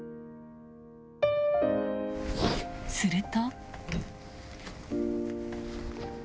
すると。